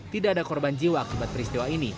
tidak ada korban jiwa akibat peristiwa ini